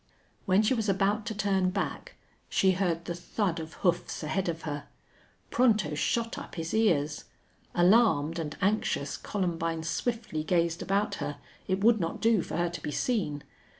When she was about to turn back she heard the thud of hoofs ahead of her. Pronto shot up his ears. Alarmed and anxious, Columbine swiftly gazed about her. It would not do for her to be seen.